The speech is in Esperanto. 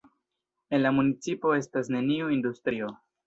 En la municipo estas neniu industrio.